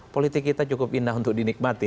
politik kita cukup indah untuk dinikmati